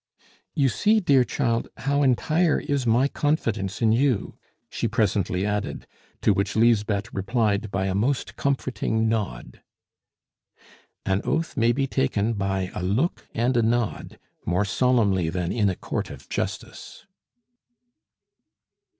"You see, dear child, how entire is my confidence in you!" she presently added, to which Lisbeth replied by a most comforting nod. An oath may be taken by a look and a nod more solemnly than in a court of justice.